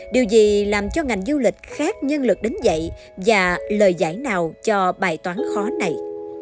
điều gì làm cho ngành du lịch khác nhân lực đến dạy và lời giải nào cho bài toán khó này